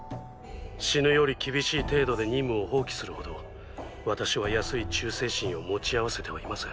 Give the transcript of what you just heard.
「死ぬより厳しい」程度で任務を放棄するほど私は安い忠誠心を持ち合わせてはいません。